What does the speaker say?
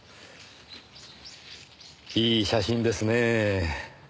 いい写真ですねぇ。